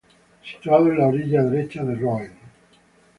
Situado en la orilla derecha de Rhône.